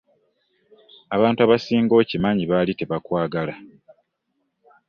Abantu abasinga okimanyi baali tebakwagala.